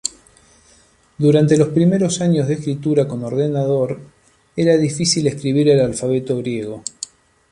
Durante los primeros años de escritura con ordenador era difícil escribir el alfabeto griego.